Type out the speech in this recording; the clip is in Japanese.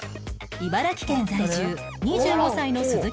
茨城県在住２５歳の鈴木さんの場合